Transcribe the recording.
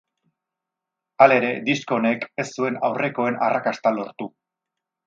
Halere, disko honek ez zuen aurrekoen arrakasta lortu.